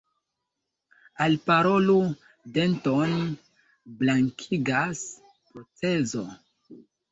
Alparolu denton blankigas procezo.